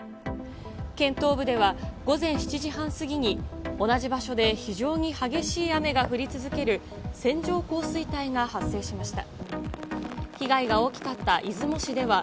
県東部では、午前７時半過ぎに同じ場所で非常に激しい雨が降り続ける線状降水帯が発生しました。